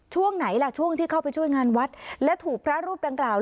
ช่วงไหนล่ะช่วงที่เข้าไปช่วยงานวัดและถูกพระรูปดังกล่าว